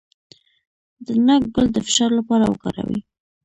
د ناک ګل د فشار لپاره وکاروئ